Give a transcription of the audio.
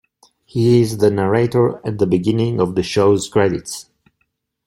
He is the narrator at the beginning of the show's credits.